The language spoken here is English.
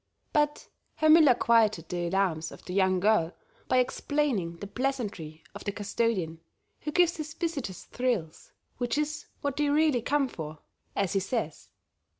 But Herr Müller quieted the alarms of the young girl by explaining the pleasantry of the custodian, who gives his visitors thrills, which is what they really come for, as he says.